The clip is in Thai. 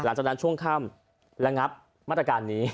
หลังจากนั้นช่วงค่ำระงับมาตรการนี้